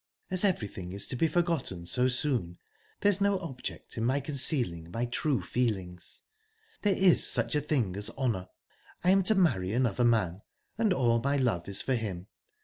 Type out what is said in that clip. "As everything is to be forgotten so soon, there's no object in my concealing my true feelings. There is such a thing as honour. I am to marry another man, and all my love is for him.